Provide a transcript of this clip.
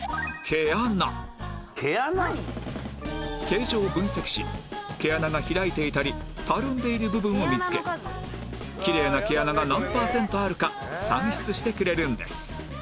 形状を分析し毛穴が開いていたりたるんでいる部分を見つけきれいな毛穴が何パーセントあるか算出してくれるんです